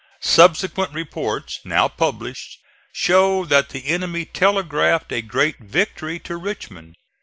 Subsequent reports, now published, show that the enemy telegraphed a great victory to Richmond.